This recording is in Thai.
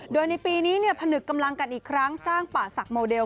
โดยในปีนี้ผนึกกำลังกันอีกครั้งสร้างป่าศักดิโมเดล